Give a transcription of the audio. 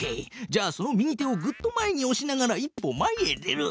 じゃあその右手をぐっと前におしながら一歩前へ出る。